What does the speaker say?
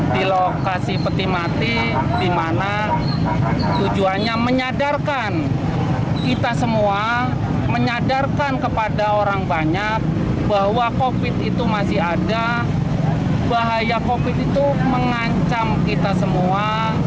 di lokasi peti mati di mana tujuannya menyadarkan kita semua menyadarkan kepada orang banyak bahwa covid itu masih ada bahaya covid itu mengancam kita semua